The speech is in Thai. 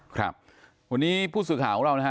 ครับวันนี้ผู้ศึกหาของเรา